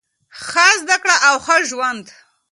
ښه زده کړه او ښه ژوند.